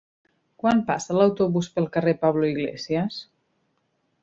Quan passa l'autobús pel carrer Pablo Iglesias?